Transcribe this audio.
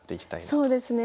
そうですね。